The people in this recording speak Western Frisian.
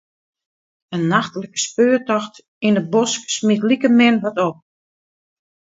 In nachtlike speurtocht yn 'e bosk smiet likemin wat op.